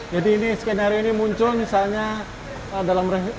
jadi ini skenario ini muncul misalnya dalam rehat